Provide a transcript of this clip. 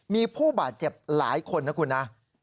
มีผู้บาดเจ็บหลายคนนะคุณนะ